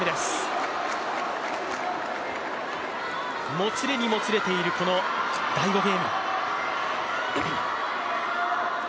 もつれにもつれている第５ゲーム。